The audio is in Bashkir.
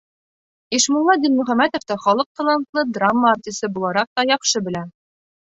Ишмулла Дилмөхәмәтовты халыҡ талантлы драма артисы булараҡ та яҡшы белә.